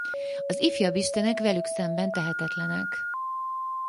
Az ifjabb istenek velük szemben tehetetlenek.